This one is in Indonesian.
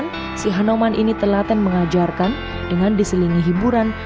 dengan penuh kesabaran si hanuman ini telaten mengajarkan dengan diselingi hiburan